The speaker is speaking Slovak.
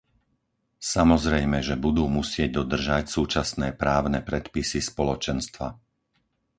Samozrejme, že budú musieť dodržať súčasné právne predpisy Spoločenstva.